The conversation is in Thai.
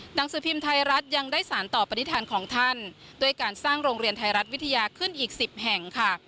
หนังสือพิมพ์ไทยรัฐยังได้สารต่อปฏิฐานของท่านด้วยการสร้างโรงเรียนไทยรัฐวิทยาขึ้นอีก๑๐แห่งค่ะ